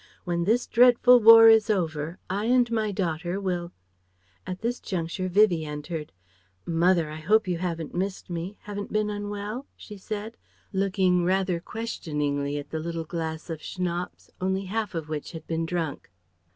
When this dreadful war is over, I and my daughter will " At this juncture Vivie entered. "Mother, I hope you haven't missed me, haven't been unwell?" she said, looking rather questioningly at the little glass of Schnapps, only half of which had been drunk.